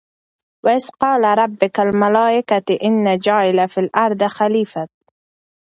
وَإِذْ قَالَ رَبُّكَ لِلْمَلٰٓئِكَةِ إِنِّى جَاعِلٌ فِى الْأَرْضِ خَلِيفَةً ۖ